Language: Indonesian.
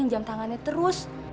jam tangan itu